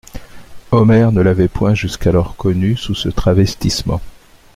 Omer ne l'avait point jusqu'alors connu sous ce travestissement.